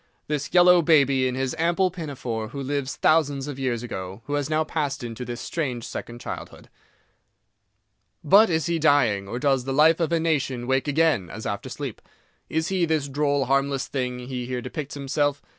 This yellow baby, in his ample pinafore, who lived thousands of years ago, who has now passed into this strange second childhood. But is he dying—or does the life of a nation wake again, as after sleep? Is he this droll, harmless thing he here depicts himself?